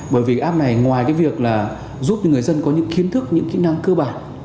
bởi vì app này ngoài cái việc là giúp cho người dân có những kiến thức những kỹ năng cơ bản